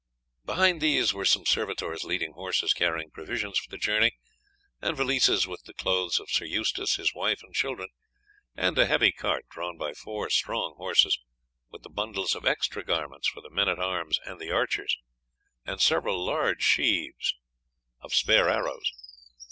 Behind these were some servitors leading horses carrying provisions for the journey, and valises with the clothes of Sir Eustace, his wife, and children, and a heavy cart drawn by four strong horses with the bundles of extra garments for the men at arms and archers, and several large sheaves of spare arrows.